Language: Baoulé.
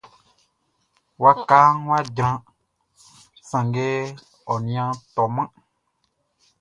Wakaʼn wʼa jran, sanngɛ ɔ nin a tɔman.